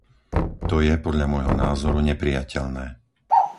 To je, podľa môjho názoru, neprijateľné.